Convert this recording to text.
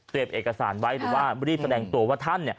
เอกสารไว้หรือว่ารีบแสดงตัวว่าท่าน